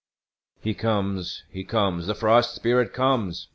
He comes, he comes, the Frost Spirit comes!